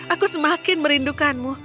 aku semakin merindukanmu